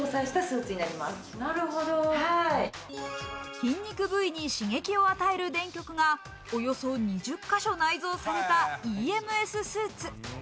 筋肉部位に刺激を与える電極がおよそ２０か所内蔵されたＥＭＳスーツ。